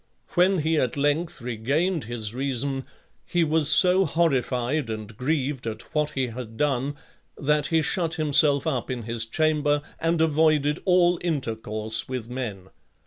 When he at length regained his reason he was so horrified and grieved at what he had done, that he shut himself up in his chamber and avoided all intercourse with men.